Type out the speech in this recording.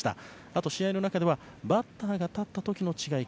あと、試合の中ではバッターが立った時の違い